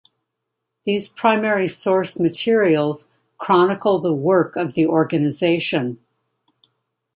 These primary source materials chronicle the work of the organization.